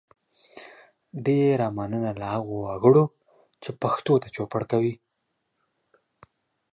ډیره مننه له هغو وګړو چې پښتو ته چوپړ کوي